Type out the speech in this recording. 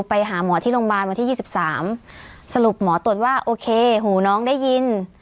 ไปหาหมอที่โรงพยาบาลวันที่๒๓สรุปหมอตรวจว่าโอเคหูน้องได้ยิน